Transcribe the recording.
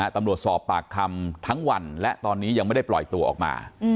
สอบปากคำทั้งวันและตอนนี้ยังไม่ได้ปล่อยตัวออกมา